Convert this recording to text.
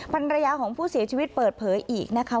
ภรรยาของผู้เสียชีวิตเปิดเผยอีกนะคะ